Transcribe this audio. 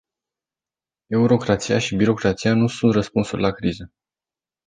Eurocrația și birocrația nu sunt răspunsuri la criză.